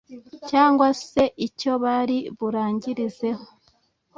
cyangwa se icyo bari burangirizeho